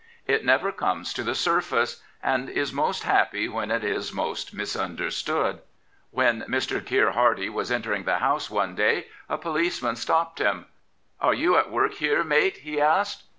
It never comes to the surface, and is most happy when it is most misunderstood. When Mr. Keir Hardie was entering the House one day a policeman stopped him. "Are you at work here, mate?" he asked.